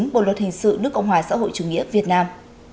bộ luật hình sự nước cộng hòa xã hội chủ nghĩa việt nam